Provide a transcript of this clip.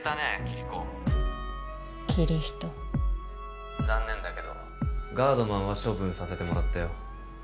キリコキリヒト残念だけどガードマンは処分させてもらったよ